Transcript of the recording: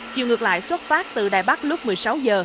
chiều ngược lại xuất phát từ đài bắc lúc một mươi sáu h